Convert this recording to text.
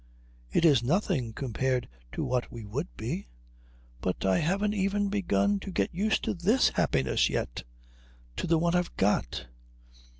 "It is nothing compared to what we would be." "But I haven't even begun to get used to this happiness yet to the one I've got."